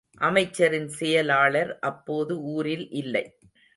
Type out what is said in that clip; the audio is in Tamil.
அமைச்சரின் செயலாளர் அப்போது ஊரில் இல்லை.